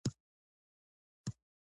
د نباتاتو د خواړو جوړولو پروسې ته څه وایي